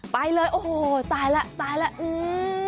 ไปเลยโอ้โหตายแล้วตายแล้วอืม